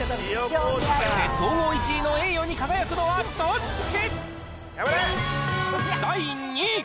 果たして総合１位の栄誉に輝くのはどっち？